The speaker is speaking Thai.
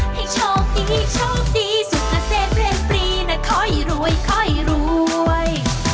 ให้ชอบดีชอบดีสุขเซ็นเพลงปีน่ะคอยรวยคอยรวย